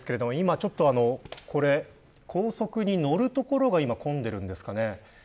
高速に乗る所が混んでいるんですかね。